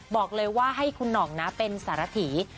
บอกเลยว่าให้คุณหน่องนะเป็นสารถี